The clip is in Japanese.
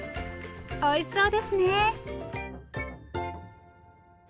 おいしそうですね！